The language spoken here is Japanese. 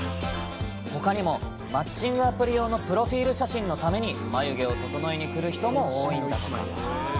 ほかにも、マッチングアプリ用のプロフィール写真のために眉毛を整えに来る人も多いんだとか。